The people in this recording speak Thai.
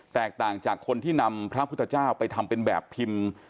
แตกต่างจากคนที่นำพระพุทธเจ้าไปทำเป็นแบบพิมพ์